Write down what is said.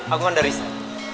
aku kan dari set